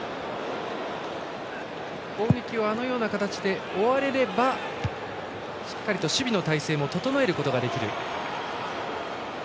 攻撃をあのような形で終われればしっかりと守備の態勢も整えることができる。